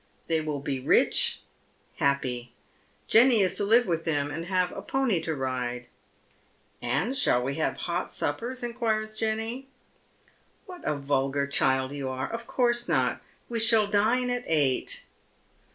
They will be rich, happy. Jenny is to live with them, and have a pony to ride. " And shall we have hot suppers? " inquires Jenny. What a vulgar cliild you are 1 Of course not. We shall dine at eight."